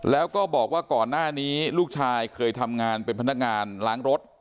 แล้วก็บอกว่าก่อนหน้านี้ลูกชายเคยทำงานเป็นพนักงานล้างรถ